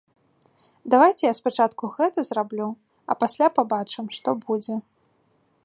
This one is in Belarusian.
Давайце я спачатку гэта зраблю, а пасля пабачым, што будзе.